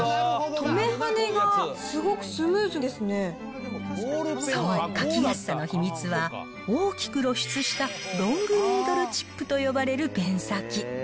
とめ、はねがすごくスムーズですそう、書きやすさの秘密は、大きく露出したロングニードルチップと呼ばれるペン先。